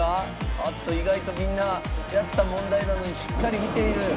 おっと意外とみんなやった問題なのにしっかり見ている。